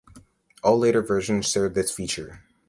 All later versions shared this feature.